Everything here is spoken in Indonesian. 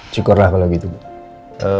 cukurlah kalau gitu bu